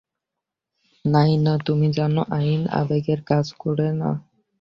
নায়না, তুমি জানো আইন আবেগে কাজ করে না।